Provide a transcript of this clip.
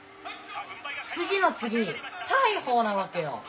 次の次大鵬なわけよ！